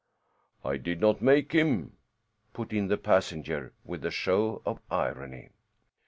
"I did not make him," put in the passenger, with a show of irony.